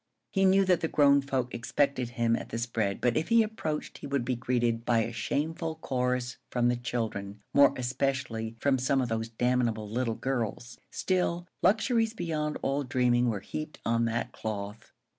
He knew that the grown folk expected him at the spread, but if he approached he would be greeted by a shameful chorus from the children more especially from some of those damnable little girls. Still, luxuries beyond all dreaming were heaped on that cloth.